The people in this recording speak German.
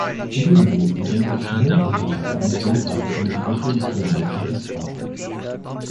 Diese Geste bildet möglicherweise eine Grundlage für die Entwicklung der menschlichen Sprache.